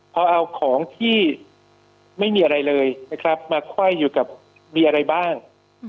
พอเอาของที่ไม่มีอะไรเลยมาค่อยอยู่กับมีอะไรบ้าง